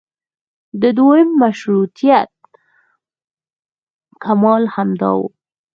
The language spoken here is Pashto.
د دویم مشروطیت کمال همدا و.